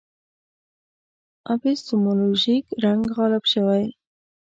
اپیستیمولوژیک رنګ غالب شوی.